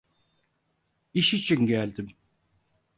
İş için geldim.